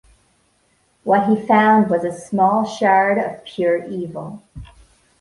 What he found was a small shard of pure evil.